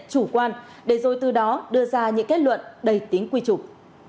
chủ quan để rồi từ đó đưa ra những kết luận đầy tính quy trục